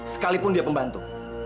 sekalipun dia pembantu